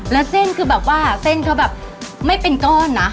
แล้วเส้นคือแบบว่าเส้นเขาแบบไม่เป็นก้อนนะ